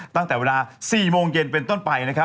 ตั้งแต่เวลา๔โมงเย็นเป็นต้นไปนะครับ